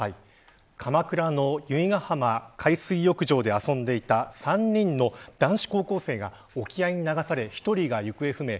鎌倉の由比ガ浜海水浴場で遊んでいた３人の男子高校生が沖合に流され１人が行方不明